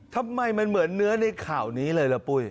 ทำไมมันเหมือนเนื้อในข่าวนี้เลยล่ะปุ้ย